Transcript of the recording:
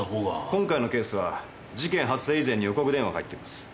今回のケースは事件発生以前に予告電話が入っています。